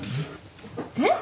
えっ？